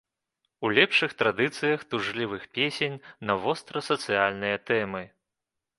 У лепшых традыцыях тужлівых песень на востра-сацыяльныя тэмы.